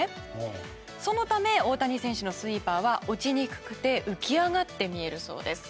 そのため大谷選手のスイーパーは落ちにくくて浮き上がって見えるそうです。